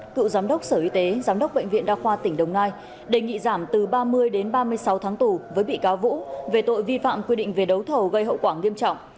cựu giám đốc sở y tế giám đốc bệnh viện đa khoa tỉnh đồng nai đề nghị giảm từ ba mươi đến ba mươi sáu tháng tù với bị cáo vũ về tội vi phạm quy định về đấu thầu gây hậu quả nghiêm trọng